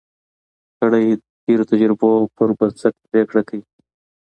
سړی د تېرو تجربو پر بنسټ پریکړه کوي